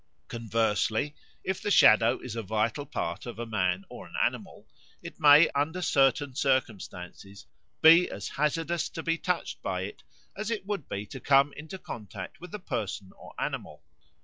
Conversely, if the shadow is a vital part of a man or an animal, it may under certain circumstances be as hazardous to be touched by it as it would be to come into contact with the person or animal.